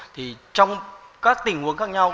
thì trong các tình huống khác nhau